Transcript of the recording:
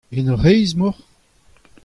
En hoc'h aez emaoc'h ?